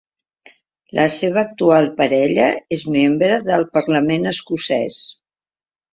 La seva actual parella és membre del Parlament Escocès.